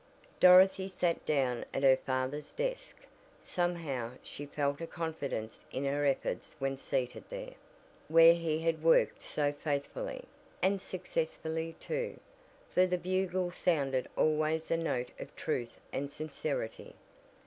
Dorothy sat down at her father's desk. Somehow, she felt a confidence in her efforts when seated there, where he had worked so faithfully, and successfully, too, for the Bugle sounded always the note of truth and sincerity.